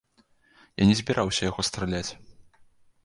Я не збіраўся ў яго страляць.